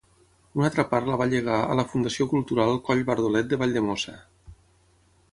Una altra part la va llegar a la Fundació Cultural Coll Bardolet de Valldemossa.